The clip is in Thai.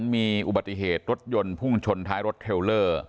มีอุบัติเหตุรถยนต์พุ่งชนท้ายรถเทลเลอร์